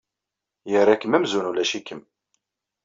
Yerra-kem amzun ulac-ikem.